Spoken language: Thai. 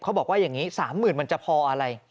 เขาบอกว่าอย่างนี้๓๐๐๐มันจะพออะไร